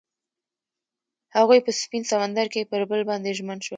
هغوی په سپین سمندر کې پر بل باندې ژمن شول.